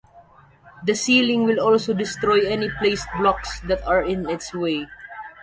The ceiling will also destroy any placed blocks that are in its way.